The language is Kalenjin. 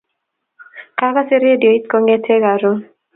Kakase radiot kongete karon.